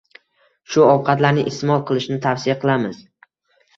Shu ovqatlarni isteʼmol qilishni tavsiya qilamiz